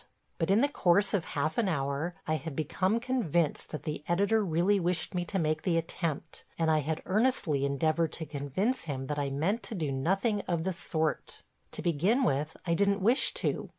But in the course of half an hour I had become convinced that the editor really wished me to make the attempt, and I had earnestly endeavored to convince him that I meant to do nothing of the sort. To begin with, I didn't wish to.